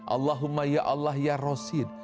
allahumma ya allah ya rashid